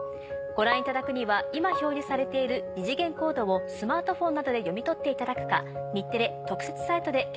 ご覧いただくには今表示されている二次元コードをスマートフォンなどで読み取っていただくか。